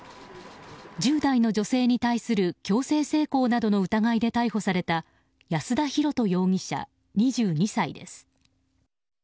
１０代の女性に対する強制性交などの疑いで逮捕された安田尋登容疑者、２２歳です。